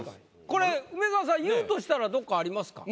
これ梅沢さん言うとしたらどっかありますか？